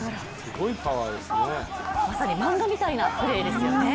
まさに漫画みたいなプレーですよね。